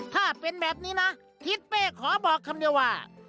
ถ้าเป็นแบบนี้นะทิศเป้ขอบอกคำเดียวว่า